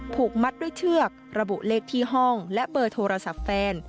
ถูกมัดด้วยเชือกระบุเลขที่ห้องและเบอร์โทรศัพท์แฟน